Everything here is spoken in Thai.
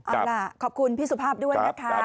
ครับครับขอบคุณพี่สุภาพด้วยนะคะครับ